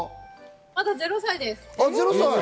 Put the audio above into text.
まだ０歳です。